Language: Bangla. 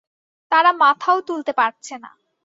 তারা মাথাও তুলতে পারছে না।